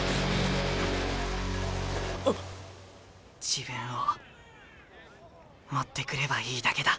自分を持ってくればいいだけだ。